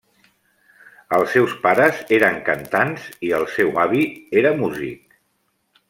Els seus pares eren cantants i el seu avi era músic.